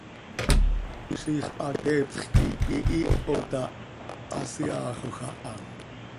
Ziix hateepx quih pihiih oo ta, haseaaxoj aha.